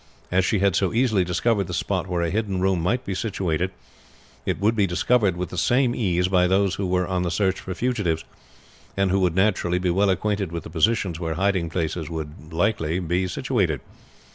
As she had so easily discovered the spot where a hidden room might be situated, it would be discovered with the same ease by those who were on the search for fugitives, and who would naturally be well acquainted with the positions where hiding places would be likely to be situated.